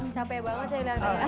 capek banget saya lihatnya